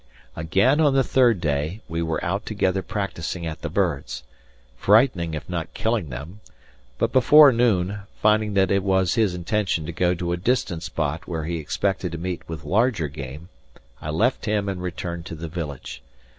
Again on the third day we were out together practicing at the birds frightening if not killing them; but before noon, finding that it was his intention to go to a distant spot where he expected to meet with larger game, I left him and returned to the village.